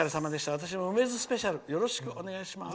私も梅津スペシャルよろしくお願いします」。